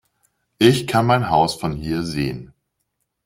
Ich kann mein Haus von hier sehen!